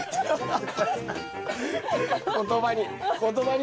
言葉に。